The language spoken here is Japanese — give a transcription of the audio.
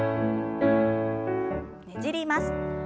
ねじります。